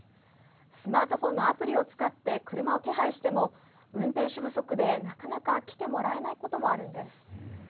スマートフォンのアプリを使って車を手配しても、運転手不足でなかなか来てもらえないこともあるんです。